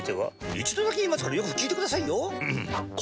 一度だけ言いますからよく聞いてくださいよ。